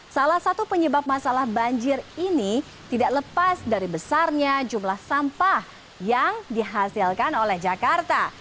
salah satu penyebab masalah banjir ini tidak lepas dari besarnya jumlah sampah yang dihasilkan oleh jakarta